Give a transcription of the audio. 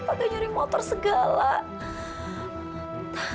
bapak nyuri motor segala